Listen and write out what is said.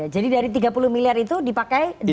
jadi dari tiga puluh miliar itu dipakai